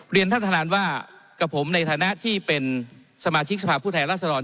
เรียนท่านประธานว่ากับผมในฐานะที่เป็นสมาชิกสภาพผู้แทนรัศดร